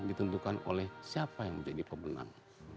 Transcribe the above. ditentukan oleh siapa yang menjadi pemenang